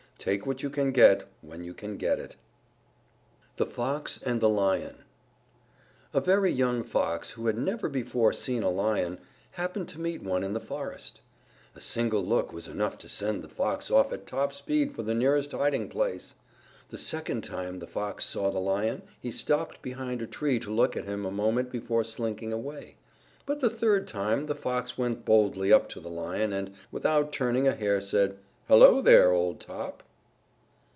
_ Take what you can get when you can get it. THE FOX AND THE LION A very young Fox, who had never before seen a Lion, happened to meet one in the forest. A single look was enough to send the Fox off at top speed for the nearest hiding place. The second time the Fox saw the Lion he stopped behind a tree to look at him a moment before slinking away. But the third time, the Fox went boldly up to the Lion and, without turning a hair, said, "Hello, there, old top."